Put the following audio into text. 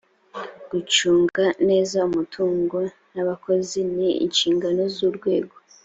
gucunga neza umutungo n’abakozi nj inshingano z’urwego